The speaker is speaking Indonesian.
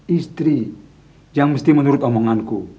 istri yang mesti menurut omonganku